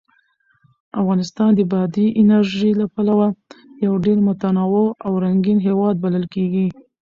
افغانستان د بادي انرژي له پلوه یو ډېر متنوع او رنګین هېواد بلل کېږي.